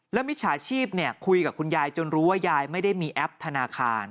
มิจฉาชีพคุยกับคุณยายจนรู้ว่ายายไม่ได้มีแอปธนาคาร